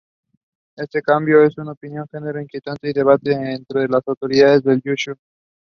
Yung and her sister joined Plum Blossom Song and Dance Troupe.